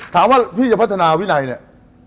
ถามว่าพี่จะพัฒนาวินัยเนี่ย